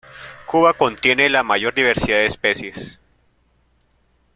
Cuba contiene la mayor diversidad de especies.